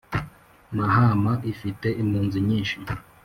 Mahama ifite impunzi nyishi.